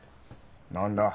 何だ？